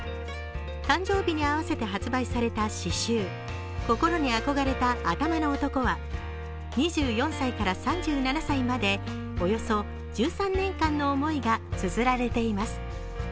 誕生日に合わせて発売された詩集「心に憧れた頭の男」は２４歳から３７歳まで、およそ１３年間の思いがつづられています。